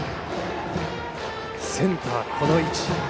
センター、この位置。